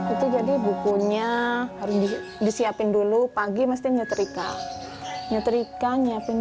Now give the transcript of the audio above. itu jadi bukunya harus disiapin dulu pagi mesti nyetrika nyetrika nyiapin